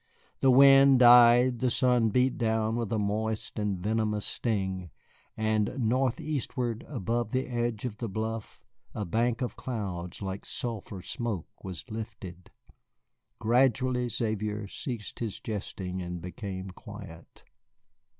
The wind died, the sun beat down with a moist and venomous sting, and northeastward above the edge of the bluff a bank of cloud like sulphur smoke was lifted. Gradually Xavier ceased his jesting and became quiet.